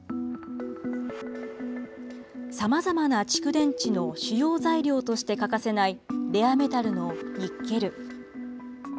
さまざまな蓄電池の主要材料として欠かせない、レアメタルのニッケル。